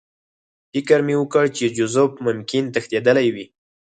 فکر مې وکړ چې جوزف ممکن تښتېدلی وي